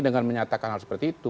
dengan menyatakan hal seperti itu